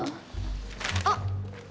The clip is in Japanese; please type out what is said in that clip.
あっ。